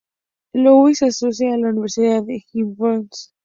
Louis asociada con la Universidad de Washington.